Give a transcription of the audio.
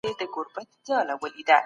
د مالیاتو تېښته اقتصادي جرم دی.